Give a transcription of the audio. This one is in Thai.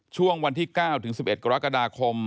ช่วงวันที่๙ถึง๑๑กรกฎาคม